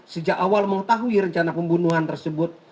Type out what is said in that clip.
sejak awal mengetahui rencana pembunuhan tersebut